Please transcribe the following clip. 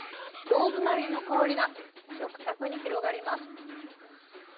ローズマリーの香りが食卓に広がります。